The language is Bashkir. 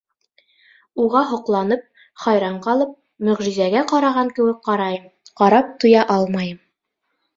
Уға һоҡланып, хайран ҡалып, мөғжизәгә ҡараған кеүек ҡарайым, ҡарап туя алмайым.